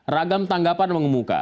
ragam tanggapan mengemuka